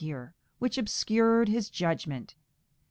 } (413) here, which obscured his judgment.